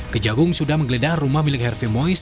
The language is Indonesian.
kejagung sudah menggeledah rumah milik harvey moise